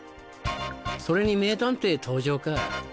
それに名探偵登場か。